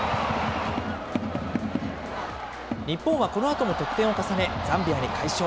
日本はこのあとも得点を重ね、ザンビアに快勝。